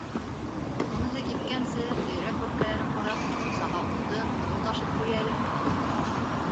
Уныһы кипкәнсе, өйрәк бәпкәләрен ҡарап, мунсаға утын, һыу ташып ҡуяйым.